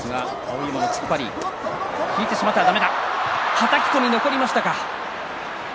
はたき込み、残りましたか。